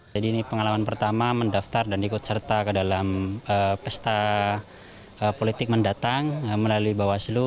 jadi ini pengalaman pertama mendaftar dan ikut serta ke dalam pesta politik mendatang melalui bawaslu